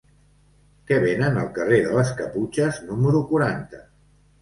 Què venen al carrer de les Caputxes número quaranta?